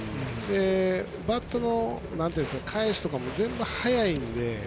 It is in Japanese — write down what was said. バットの返しとかも全部、早いんで。